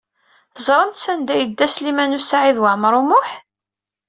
Teẓramt sanda ay yedda Sliman U Saɛid Waɛmaṛ U Muḥ?